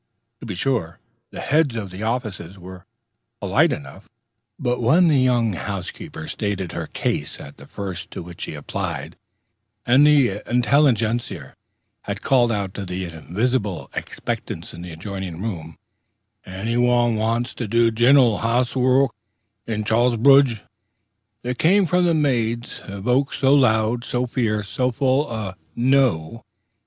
To be sure, the heads of the offices were polite enough; but when the young housekeeper had stated her case at the first to which she applied, and the Intelligencer had called out to the invisible expectants in the adjoining room, "Anny wan wants to do giner'l housewark in Charlsbrudge?" there came from the maids invoked so loud, so fierce, so full a "No!"